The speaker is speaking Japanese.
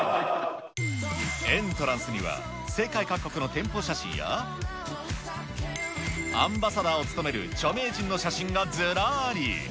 エントランスには世界各国の店舗写真や、アンバサダーを務める著名人の写真がずらり。